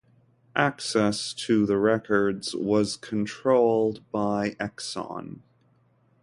Access to the records was controlled by Exxon.